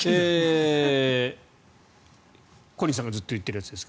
小西さんがずっと言ってるやつです。